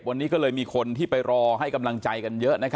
วันนี้ก็เลยมีคนที่ไปรอให้กำลังใจกันเยอะ